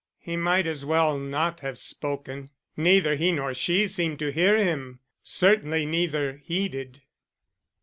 He might as well not have spoken. Neither he nor she seemed to hear him. Certainly neither heeded.